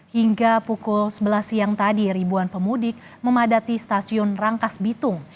hingga pukul sebelas siang tadi ribuan pemudik memadati stasiun rangkas bitung